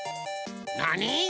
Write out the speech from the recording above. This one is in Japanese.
なに？